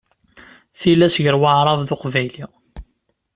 Tilas gar Waεrab d Uqbayli.